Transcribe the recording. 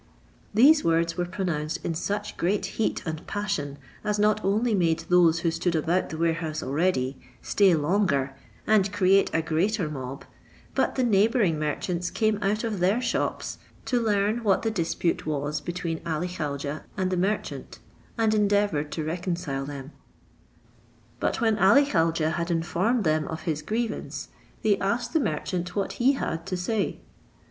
These words were pronounced in such great heat and passion, as not only made those who stood about the warehouse already stay longer, and create a greater mob, but the neighbouring merchants came out of their shops to learn what the dispute was between Ali Khaujeh and the merchant, and endeavoured to reconcile them; but when Ali Khaujeh had informed them of his grievance, they asked the merchant what he had to say.